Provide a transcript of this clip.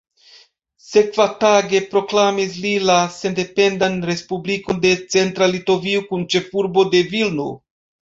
Sekvatage proklamis li la sendependan Respublikon de Centra Litovio kun ĉefurbo de Vilno.